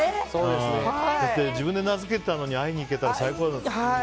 自分で名づけたのに会いに行けたら最高。